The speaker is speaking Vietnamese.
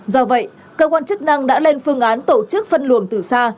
do vậy cơ quan chức năng đã lên phương án tổ chức phân luồng từ xa